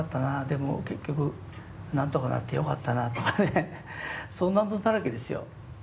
でも結局なんとかなってよかったな」とかねそんなことだらけですよ。